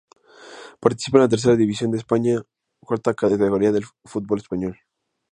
Participa en la Tercera División de España, cuarta categoría del fútbol español.